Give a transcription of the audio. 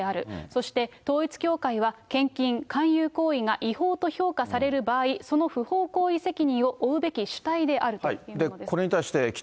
そして統一教会は、献金勧誘行為が違法と評価される場合、その不法行為責任を負うべき主体であるというものです。